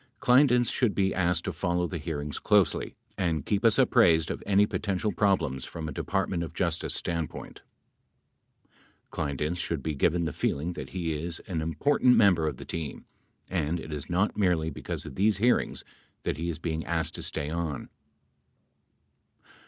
Kleindienst should be asked to follow the hearings closely and keep us apprised of any potential problems from a De partment of Justice standpoint. Kleindienst should be given the feeling that he is an im portant member of the team and it is not merely because of these hearings that he is being asked to stay on.